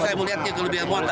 saya melihatnya kelebihan muatan